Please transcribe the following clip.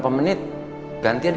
cukup kita igual kan